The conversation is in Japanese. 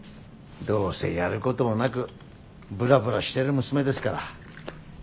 どうせやることもなくぶらぶらしてる娘ですから。